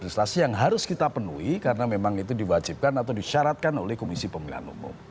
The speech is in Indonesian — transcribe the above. legislasi yang harus kita penuhi karena memang itu diwajibkan atau disyaratkan oleh komisi pemilihan umum